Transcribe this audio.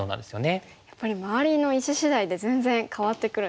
やっぱり周りの石しだいで全然変わってくるんですね。